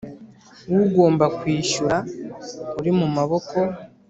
W ugomba kwishyura uri mu maboko